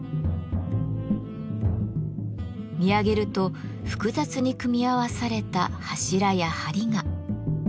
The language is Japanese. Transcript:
見上げると複雑に組み合わされた柱や梁が。